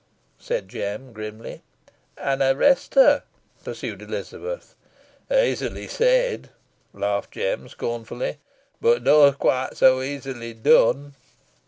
said Jem, grimly. "An arrest her," pursued Elizabeth. "Easily said," laughed Jem, scornfully, "boh neaw quite so easily done."